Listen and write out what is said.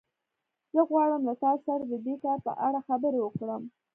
زه غواړم له تاسو سره د دې کار په اړه خبرې وکړم